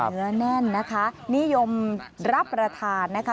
เนื้อแน่นนะคะนิยมรับประทานนะคะ